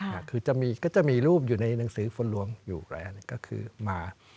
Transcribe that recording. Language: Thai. อ่าคือจะมีก็จะมีรูปอยู่ในหนังสือฝนหลวงอยู่อะไรอันนี้ก็คือมา